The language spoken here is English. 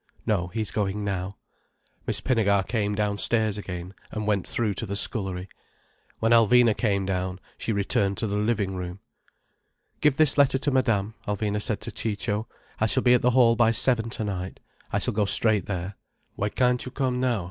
"No. He's going now." Miss Pinnegar came downstairs again, and went through to the scullery. When Alvina came down, she returned to the living room. "Give this letter to Madame," Alvina said to Ciccio. "I shall be at the hall by seven tonight. I shall go straight there." "Why can't you come now?"